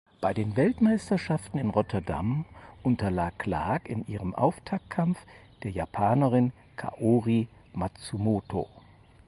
Bei den Weltmeisterschaften in Rotterdam unterlag Clark in ihrem Auftaktkampf der Japanerin Kaori Matsumoto.